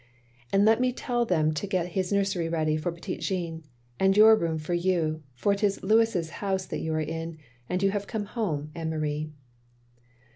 "And let me tell them to get his nursery ready for petit Jean, and your room for you; for it is Louis's house that you are in, and you have come home, Anne Marie."